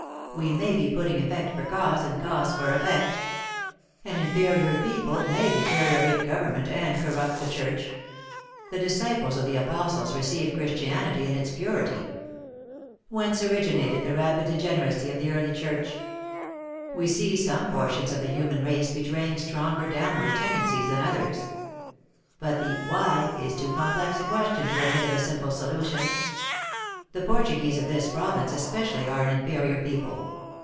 We may be putting effect for cause, and cause for effect. An inferior people may deteriorate govern ment, and corrupt the church. The disciples of the apostles received Christianity in its purity. Whence 208 THE ACTRESS IN HIGH LIFE. originated the rapid degeneracy of the early Church ? We see some portions of the human race betraying stronger downward tendencies than others. But the why is too complex a question to admit of a simple solution. The Portuguese of this province especially are an inferior people.